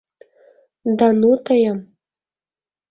— Да ну тыйым!